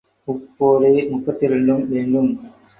உப்போடே முப்பத்திரண்டும் வேண்டும்.